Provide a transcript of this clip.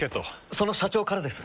その社長からです。